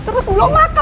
terus belum makan